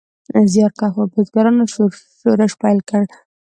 زیارکښو بزګرانو شورش پیل کړ.